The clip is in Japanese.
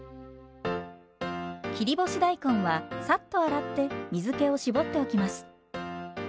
切り干し大根はサッと洗って水けをしぼっておきます。